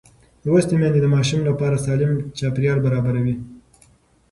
لوستې میندې د ماشوم لپاره سالم چاپېریال برابروي.